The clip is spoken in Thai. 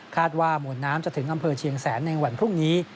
ว่ามวลน้ำจะถึงอำเภอเชียงแสนในวันพรุ่งนี้